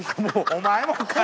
お前もかい！